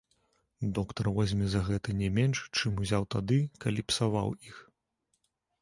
Доктар возьме за гэта не менш, чым узяў тады, калі псаваў іх.